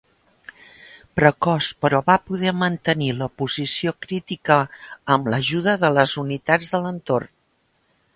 Precoç, però va poder mantenir la posició crítica amb l'ajuda de les unitats de l'entorn.